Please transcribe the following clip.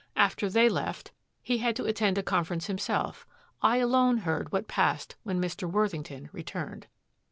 After they left he had to attend a conference himself. I alone heard what passed when Mr. Worthington returned."